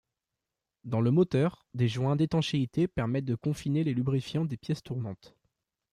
Dans le moteur, des joints d'étanchéité permettent de confiner les lubrifiants des pièces tournantes.